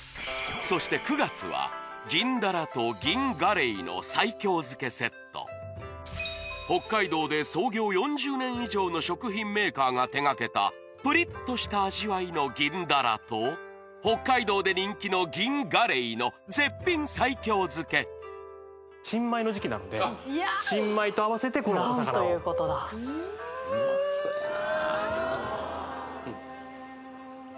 そして９月は北海道で創業４０年以上の食品メーカーが手がけたプリッとした味わいの銀だらと北海道で人気の銀がれいの絶品西京漬け新米の時期なので新米と合わせてこのお魚を何ということだ・うまそうやな